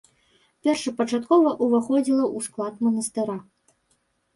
Першапачаткова ўваходзіла ў склад манастыра.